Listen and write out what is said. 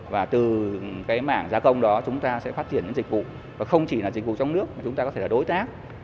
và từ cái mảng gia công đó chúng ta sẽ phát triển những dịch vụ và không chỉ là dịch vụ trong nước mà chúng ta có thể là đối tác